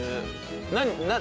何？